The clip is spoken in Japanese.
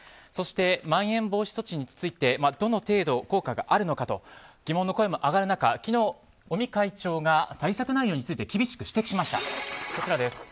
そして、まん延防止措置についてどの程度効果があるのか疑問の声も上がる中昨日、尾身会長が対策内容について厳しく指摘しました。